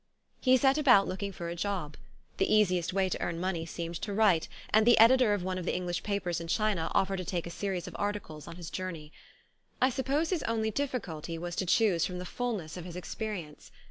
He set about looking for a job. The easiest way to earn money seemed to write, and the editor of one of the English papers in China offered to take a series of articles on his journey. I sup pose his only difficulty was to choose from the fulness of his experience.